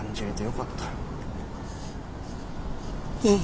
うん。